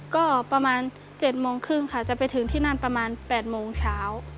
ก็ประมาณ๗โมงครึ่งค่ะจะไปถึงที่นั่นประมาณ๘โมงเช้า